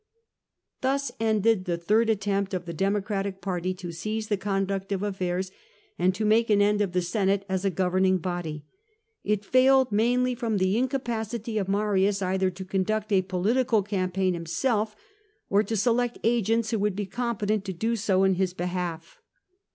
Thus ended the third attempt of the Democratic party to seize the conduct of affairs, and to make an end of the Senate as a governing body. It failed mainly from the incapacity of Marius either to conduct a political cam paign himself, or to select agents who would be competent to do so in his behalf.